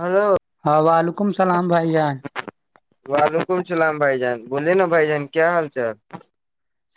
Hello ہاں وعلیکم السلام بھائی جان وعلیکم اللام بھائی جان بوولے نا بھائی جان کیا حال چال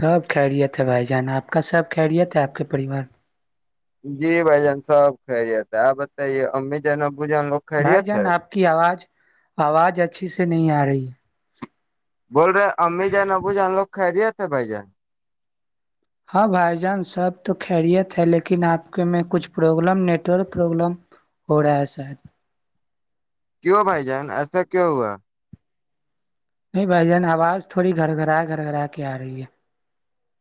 سب خیریت ہے بھائی جان آپ کا سب خیریت ہے آپ کے پریوار جی بائی جان سب خرییا تھا آ بتائی امی جن بھائی جان آپ کی آواز آواز اچھی سے نہیں آ رہی بول رہے امی جائ ن ابو جائان لوگ خریییاتے ہیں بھائی جان ہاں بھائی جان سب تو خیریت ہے لیکن آپ میں کچھ پرابلم نیٹورک پرابلم ہو رہا ہے شاید کیوں بھائی جان ایسا کیوں ہوا نہیں بھائی جان آواز تھوڑی گھر گھرا گھر گرا کے آ رہی ہے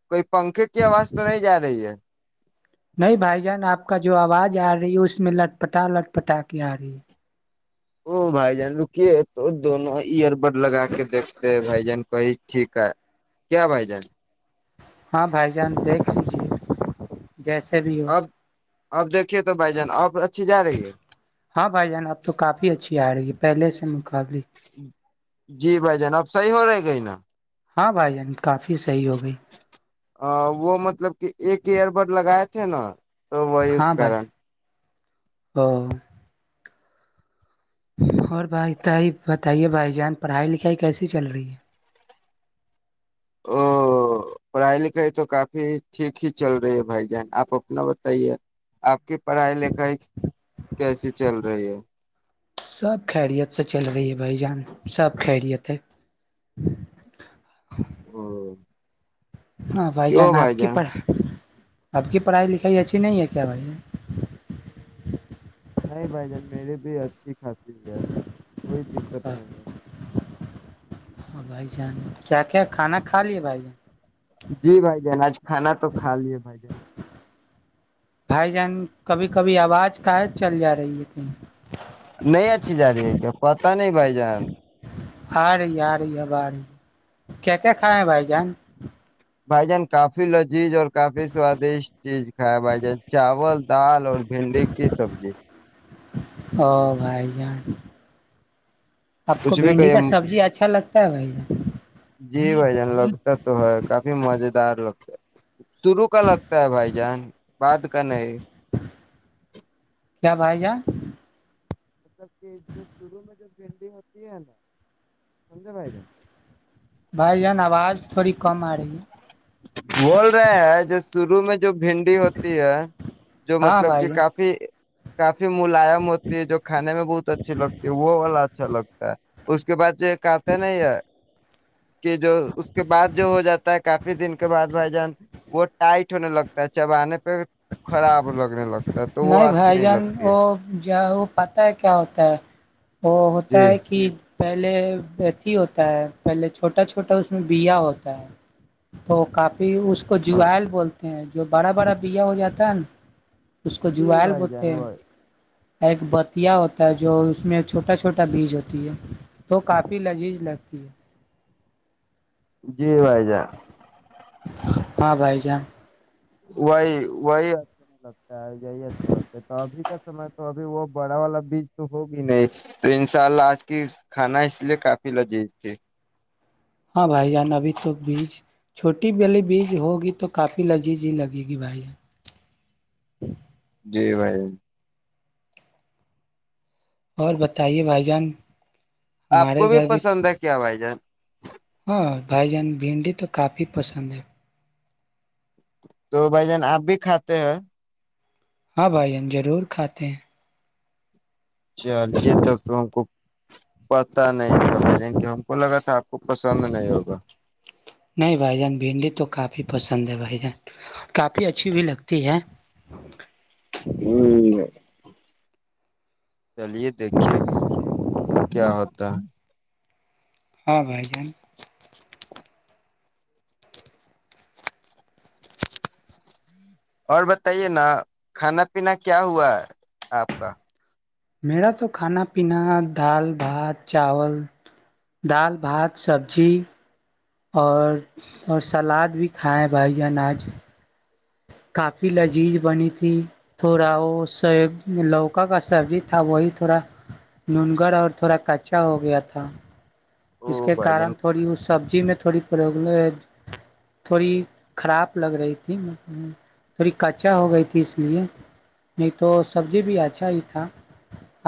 کوئی پنکھے کی آواز تو نہیں جا رہی ہے نہیں بھائی جان آپ کا جو آواز آ رہی ہے اس میں لٹ پٹا لٹ پٹا کے آ رہی ہے او بھائی جان رکیے تو دونوں ایئر بڈ لگا کے دیکھتے بھائی جان کہی ٹھیک ہے کیا بھائی جان ہاں بھائی جان دیکھ لیج جیسے بھی ہو اب اب دیکھیے تو بھائی جان آپ ہاں بھائی جان اب تو کافی اچھی آ رہی ہے پہلے سے مقابل جی بھائی جان اب صحیح ہو رہے گئی نا ہاں بھائی جان کافی سے ا وہ مطلب کہ ایک ایئر بڈ لگایا تھا جی نا تو وہ کر بھائی ہاں اور بھائی طائف بتائیے بھائی جان پڑھائی لکھائی کیسی چل رہی ہے او پڑھائی لکھائی تو کافی ٹھیک ہی چل رہی ہے بھائی جان آپ اپنا بتائیے آپ کی پڑھائی لکھائی کیسی چل رہی ہے سب خیریت سے چل رہی ہے بھائی جان سب خیریت ہے [inaudible] ہاں بھائی جان آپ کی پڑھا اب کی پڑھائی لکھائی اچھی نہیں ہے کیا بی ہے نہیں بھائی جان میری بھی اچھی خاصی [inaudible] کوئی دقت نہیں ہے بھائی جان کیا کیا کھانا کھا لیا بھائی جان جی بھائی جان آج کھانا تو کھا لیا بھائی جان بھائی جان کبھی کبھی آواز کا چل جا رہی ہے کہیں نہیں اچھی جا رہی ہے کیا پتہ نہیں بھائی جان آرے آ رہے اب رہ کیا کیا کائے ہیں بھائی جان بھائی جان کافی لذیذ اور کافی سوادشٹ چیز کھیا بھائی جان چاول دال اور بھنڈی کی سبزی او بھائی جان آپ کو کچھ بھی بھنڈی کہیے کا سبزی اچھا لگتا ہے بھائی جی بھائی جان لگتا تو ہے کافی مز دار لگتا ہے شروع کا لگتا ہے بھائی جان بعد کا نہیں کیا بھائی جان [unintelligible] سمجھے بھائی جان بھائی جان آواز تھوڑی کم آ رہی ہے بول رہے ہیں جس شروع میں جو بھنڈی ہوتی ہے جو ہاں مطلب بھائی کہ جان کافی کپ ملائم ہوتی ہے جو کہ بہت اچھیے لگتی ہیں وہ والا اچھا لگتا ہے اس کے بعد جی کہتے نہیں ہے کہ جو اس کے بعد جو ہو جاتا ہے کافی دن کے بعد بھائی جان وہ ٹائٹ ہونے لگتا ہے چبانے پہ خراب لگنے لگتا ہے تو وہ نہیں اچھی بھائی جان لگتی وہ ہے کیا وہ پتہ ہے کیا ہوتا ہے وہ ہوتا جی ہے کہ پہلےتھی ہوتا ہے پہلے چھوٹا چھوٹا اس میں بیا ہوتا ہے تو کاپ بھی اس کو جوئیل بولتے ہیں جو بڑا بڑا بیا ہو جاتا ہے نا اس کو جی جول بھائی جان بوتے ہیں وہ ایک بتیا ہوتا ہے جو اس میں چھوٹا چھوٹا بیج ہوتی ہے تو کافی لذیذ لگتی ہے جی بھائی جان ہاں بھائی جان وہی وہی اچھا نہیں لگتا ہے یہی اچھا لگتا ہے تو ابھی کا سمے تو ابھی وہ بڑا والا بھی تو ہوگی نہیں تو ان شاء اللہ آج کی کھانا اس لیے کافی لجیذ تھی ہاں بھائی جان ابھی تو بیج چھوٹی والی بیج ہوگی تو کافی لذیذ ہی لگے گی بھائی جی بھائی اور بتائیے بھائی جان آپ کو ہمارے بھی گھر پسند ہے کیا بھائی جان ہاں بھائی جان بھنڈی تو کافی پسند ہے تو بھائی جان آپ بھی کھاتے ہیں ہاں بھائیین ضرور کھاتے ہیں چلیے تک ہم کو پتاہ نہیں تھا بھائی جان کی ہم کو لگا تھا آپ کو پسند نہیں ہوگا نہیں بھائی جان بھنڈی تو کافی پسند ہے بھائی جن کافی اچھی بھی لگتی ہے ہوں چلیے دیکھیے کیا ہوتا ہے؟ ہاں بھائی جان اور بتائیے نا کھانا پینا کیا ہوا ہے آپ کا میرا تو کھانا پینا دال بھات چاول دال بھات سبزی اور اور سلاد بھی کھائیں بھائی جانان آج کافی لذیذ بنی تھی تھوڑا وہ س لوکا کا سبزی تھا وہی تھوڑا ننگرڑ اور تھوڑا کچا ہو گیا تھا اس او کے بھائی جان کارن تھوڑی اس سبزی میں تھوڑی پرابلم تھوڑی خراب لگ رہی تھی تھوڑی کچا ہو گئی تھی اس لیے نہیں تو سبزی بھی اچھا ہی تھا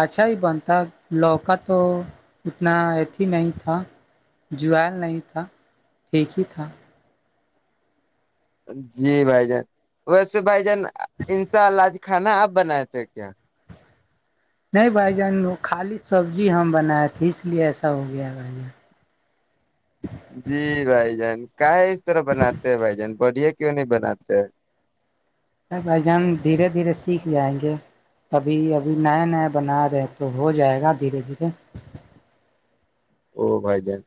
اچھا ہی بنتا لوکا تو اتنا اتھی ہی نہیں تھا تھا جل نہیں تھا ٹھیک ہی تھا جی بھائی جان ویسے بھائی جان ان شاءج کھانا آپ بنائے تھے کیا نہیں بھائی جان وہ خالی سبزی ہم بنائے تھے اس لیے ایسا ہو گیا بھائی جان جی بھائی جان کا ہے اس طرح بناتے ہیں بھائی جان بڑیا کیوں نہیں بناتے ہیں ر بھائی جان دھیرے دھیرے سیکھ جائیں گے ابھی ابھی نیا نیا بنا رہے ہیں تو ہو جائے گا دھیرے دھیرے او بھائی جان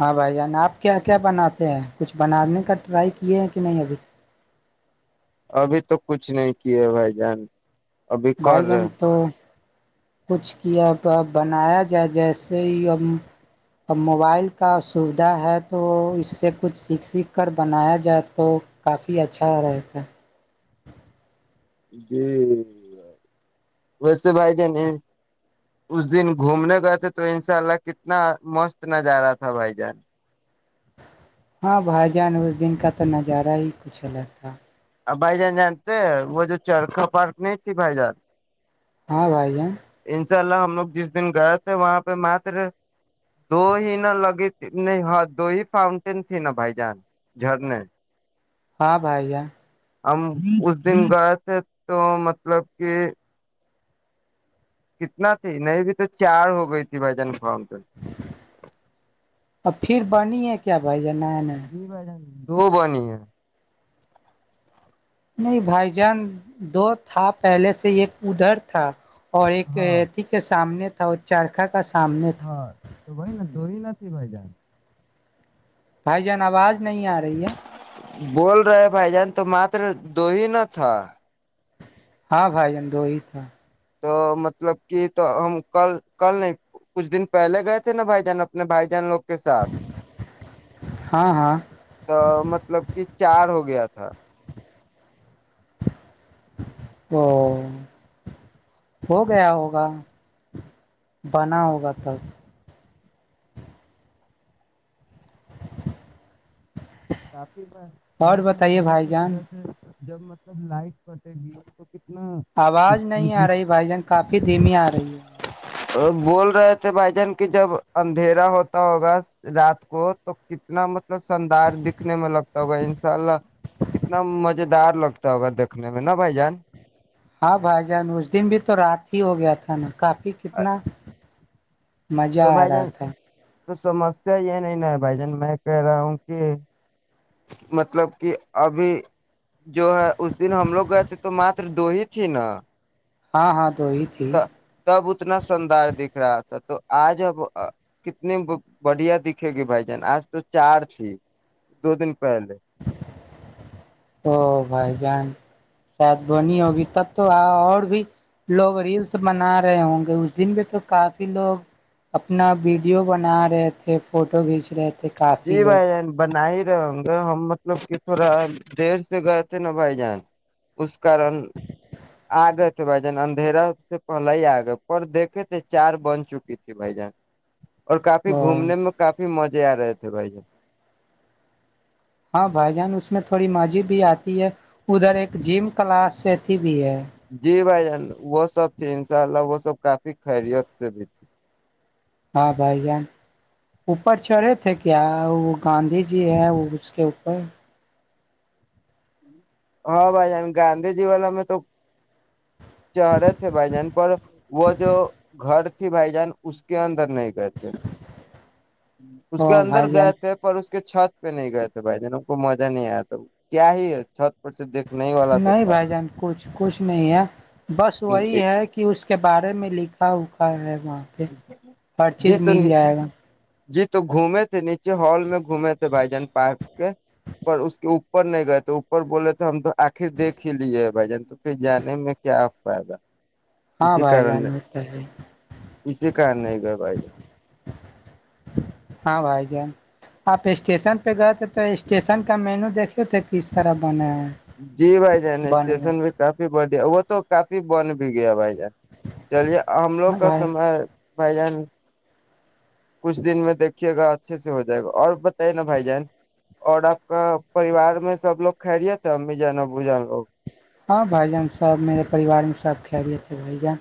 ہاں بھائی جان آپ کیا کیا بناتے ہیں کچھ بنانے کا ٹرائی کیے ہیں کہ نہیں ابھیک ابھی تو کچھ نہیں کیے بھائی جان ابھی بھائی کر جان رہے تو کچھ کیا اب بنایا جائے جیسے ہی ا ا موبائل کا سویدھا ہے تو اس سے کچھ سیکھ سیکھ کر بنایا جائے تو کافی اچھا رہتا ہے جی ویسے بھائی جان اس دن گھومنے گئے تھے تو ان شاء اللہ کتنا مست نظارا تھا بھائی جان ہاں بھائی جان اس دن کا تو نظارہ ہی کچلاگ تھا آ بائی جان جانتے ہیں وہ جو چرخا پارک نہیں ت بائی جان ہاں بھائی جان انشاء اللہ ہم لوگ جس دن گئے تھے وہاں پہ مات دو ہی ن لگی نہیں ہاں دو ہی فاؤنٹین تھی نا بھائی جان جھرنے ہاں بھائییا ہم اس دن گئے تھے تو مطلب کہ کتنا تھی نہیں بھی تو چار ہو گئی تھی بھائی جان فاؤنٹین اب پھر بنی ہے کیا بھائی جانانا تو بنی ہے نہیں بھائی جان دو تھا پہلے سے ایک ادھر تھا اور ایک ہاں تھی کے سامنے چارخا کا سامنے تھا ہاں تو وہھائی نا دئی نہ بائی جان بھائی جان آواز نہیں آ رہی ہے بول رہے بھائی جان تو مات دو ہی ن تھا ہاں بھائی جان دو ہی تھا تو مطلب کہ تو ہم کل کل نہیں کچھ دن پہلے گئے تھے نا بھائی جان اپنے بھائی جان لوگ کے ساتھ ہاں ہاں تو مطلب کہ چار ہو گیا تھا او ہو گیا ہوگا بنا ہوگا تب آپ ب اور بائی جن ہم بتائیے ویس بھائی وس جان رہے جب مطلب لائٹ کٹے گی تو ک آواز نہیں آ رہی بھائی جان کافی دھیمی آ رہی ہے آواز بول رہے بھائی جان کی جب اندھیرا ہوتا ہوگا رات کو تو کتنا مطب [unintelligible] تا ہو ان شاء اللہ کتنا مزے ڈر لگتا ہوگا دیکھنے میں نا بھائی جان ہاں بھائی جان اس دن بھی تو رات ہی ہو گیا تھا نا کافی کتنا [unintelligible] مزہ تو آ بھائی رہا جان تھا تو سمسیا یہ نہیں ن بھائی جان میں کہہ رہا ہوں کہ مطلب کہ ابھی جو ہے اس دن ہم لوگ گئے تھے تو مات دو ہی تھی نا ہاں ہاں تو ہی تھی تب اتنا شاندار دکھ رہا تھا تو آج اب کتنی بڑھیا دکھے گی بھائی جان آج تو چار تھی دو دن پہلے او بھائی جان سات بنی ہوگی تب تو اور بھی لوگ ریلس بنا رہے ہوں گے اس دن بھی تو کافی لوگ اپنا ویڈیو بنا رہے تھے فوٹو کھینچ رہے تھے کافی جی بھائی لوگ جن بن ہی گے ہم مطلب کہ تھوڑا دیر سے گئے تھے نا بھائی جان اس کارن آ گئے تھے بھائی جان اندھیرا سے پہل ہی آ گئے پر دیکھے تھے چار بن چکی تھی بھائی جان اور کافی اور گھومنے میں کافی مز جیار تھے بائی جے ہاں بھائی جان اس میں تھوڑی مضی بھی آتی ہے ادھر ایک جم کلاس تھی جی بھائی جان وہ سب تھی ان شاء اللہ وہ سب کافی خیریت سے بھی تھی ہاں بھائی جان اوپر چڑھے تھے کیا وہ گاندھی جی ہیں وہ اس کے اوپر ہاں بھائی گاندھی جی واللا میں تو چہرے تھے بھائی جان پر وہ جو گھر بھائی جان اس کے اندر نہیں گئےتے اس کے او اندر بھائی جان گئے تھے پر اس چھت پہ نہیں گئے تھے بھائی جنوں کو مزہ نہیں آیا تھا کیا ہی ہے چھت پر سے دیکھنے ہی والا تو نہیں تھا بھائی جان کچھ کچھ نہیں ہے بس وہی ہے کہ اس کے بارے میں لکھا اکھا ہے وہاں پہ ہر جی چیز تو مل جائے گا جی تو گھومے تھے نیچے جب ہال میں گھومے تھے بھائی جان پارک کے پر اس کے اپر اوپ نہیں گئے تو اوپر بولے تھے ہم تو آخر دیکھ ہی لیے بھجن تو پھر جانے میں کیا فائدہ ہاں اسی بھائی جانور تو ہے اس نہیں بے ہاں بھائی جان آپ اسٹیشن پہ گئے تھے تو اسٹیشن کا مینو دیکھے تھے کس طرح بنا ہو جی بھائی جین اسٹیشن بھی کافی بڑیا ہے وہ تو کافی بن بھی گیا بھائی چلیے ہم لوگ ہاں کا بھائی سمے بھائی جان کچھ دن میں دیکھیے گا اچھے سے ہو جائے گا اور بتے نا بھائی جان اور آپ کا پریوار میں سب لوگ خیریت امی جانبو جان لوگ ہاں بھائی جان سب میرے پریوار میں سب کھل تھے بائی جان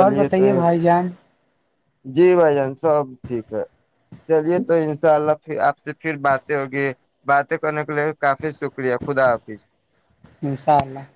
اور تو بتائیے بھائی جان جی بھائی جان سب ٹھیک ہے چلیے تو ان شاء اللہ پھر آپ سے پھر باتیں ہوگی باتیں کرنے کے لیے کافی شکریہ خدا حافظ انشاءاللہ